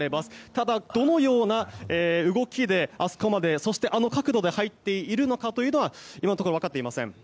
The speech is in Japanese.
ただ、どのような動きであそこまで、そしてあの角度で入っているのかというのは今のところ分かっていません。